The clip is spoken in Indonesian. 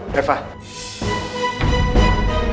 kamar itu akan jadi